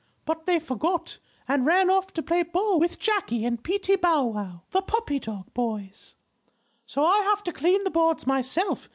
"But they forgot, and ran off to play ball with Jackie and Peetie Bow Wow, the puppy dog boys. So I have to clean the boards myself.